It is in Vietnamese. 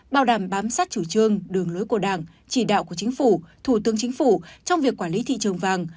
bảo đảm bám sát chủ trương đường lối của đảng chỉ đạo của chính phủ thủ tướng chính phủ trong việc quản lý thị trường vàng